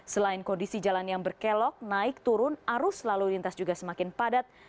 selain kondisi jalan yang berkelok naik turun arus lalu lintas juga semakin padat